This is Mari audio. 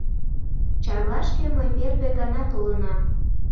— Чарлашке мый первый гана толынам.